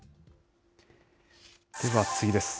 では次です。